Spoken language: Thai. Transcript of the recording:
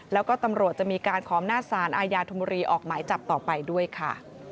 แล้วก็ตำรวจจะมีการขออำนาจสารอาญาธนบุรีออกหมายจับต่อไปด้วยค่ะ